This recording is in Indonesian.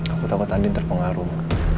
aku takut andin terpengaruh